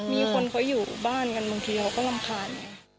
มีคนเขาอยู่บ้านกันบางทีเขาก็รำคาญไง